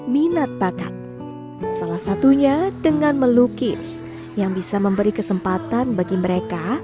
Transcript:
minat bakat salah satunya dengan melukis yang bisa memberi kesempatan bagi mereka